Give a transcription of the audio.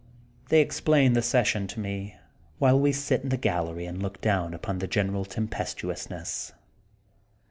They ex plain the session to me, while we sit in the gallery and look down upon the general tem pestuousness.